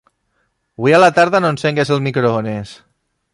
Avui a la tarda no engeguis el microones.